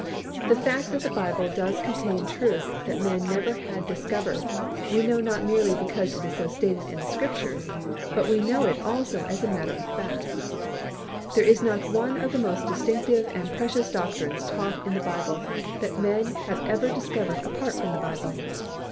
The fact that the Bible does contain truth that man never had discovered we know not merely because it is so stated in the Scriptures, but we know it also as a matter of fact. There is not one of the most distinctive and precious doctrines taught in the Bible that men have ever discovered apart from the Bible.